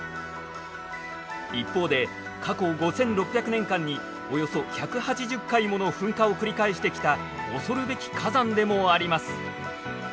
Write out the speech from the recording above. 一方で過去５，６００年間におよそ１８０回もの噴火を繰り返してきた恐るべき火山でもあります。